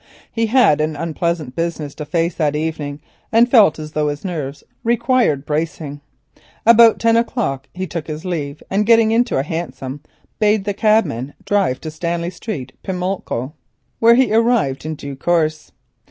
He had an unpleasant business to face that evening, and felt as though his nerves required bracing. About ten o'clock he took his leave, and getting into a hansom bade the cabman drive to Rupert Street, Pimlico, where he arrived in due course.